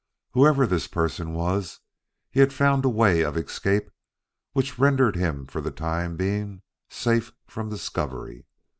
Whoever this person was, he had found a way of escape which rendered him for the time being safe from discovery.